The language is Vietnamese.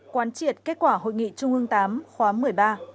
quán triệt kết quả hội nghị trung ương viii khóa một mươi ba